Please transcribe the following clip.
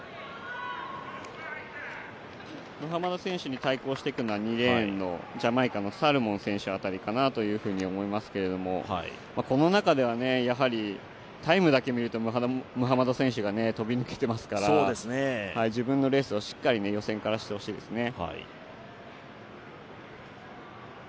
ムハマド選手に対抗していくのは２レーンのジャマイカのサルモン選手あたりかなというふうに思いますけれどもこの中ではタイムだけ見るとムハマド選手が飛び抜けていますから自分のレースをしっかり予選からしてほしいですね。